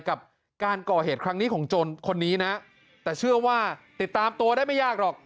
กับการก่อเหตุครั้งนี้ของโจรคนนี้นะแต่เชื่อว่าติดตามตัวได้ไม่ยากหรอก